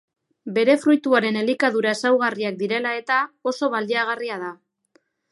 Bere fruituaren elikadura ezaugarriak direla eta oso baliagarria da.